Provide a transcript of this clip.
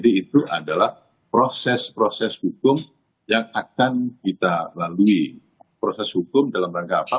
itu adalah proses proses hukum yang akan kita lalui proses hukum dalam rangka apa